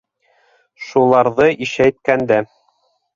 Шуларҙы ишәйткәндә!